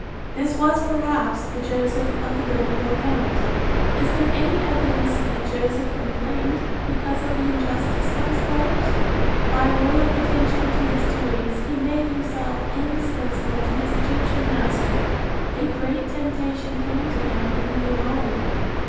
This was perhaps the Joseph of the Biblical account. Is there any evidence that Joseph complained because of the injustice of his brothers? By loyal attention to his duties he made himself indispensable to his Egyptian master. A great temptation came to him in the new home.